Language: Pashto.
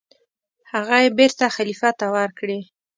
هغه یې بېرته خلیفه ته ورکړې.